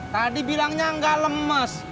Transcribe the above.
tadi bilangnya enggak lemes